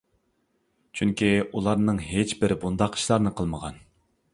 چۈنكى ئۇلارنىڭ ھېچبىرى بۇنداق ئىشلارنى قىلمىغان.